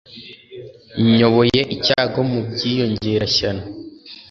nyobore icyago mu bwiyongera-shyano